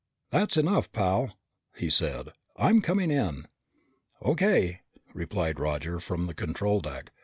"That's enough, pal," he said. "I'm coming in." "O.K.," replied Roger from the control deck.